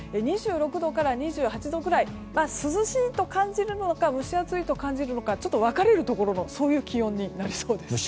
２６度から２８度くらい涼しいと感じるのか蒸し暑いと感じるか分かれる気温になりそうです。